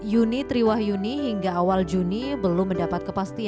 yuni triwah yuni hingga awal juni belum mendapat kepastian